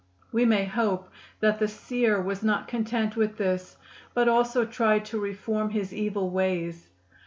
We may hope that the seer was not content with this, but also tried to reform his evil ways.